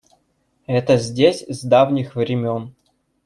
Это здесь с давних времён.